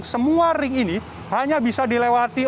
semua ring ini hanya bisa dilewati